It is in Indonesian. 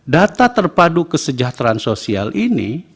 data terpadu kesejahteraan sosial ini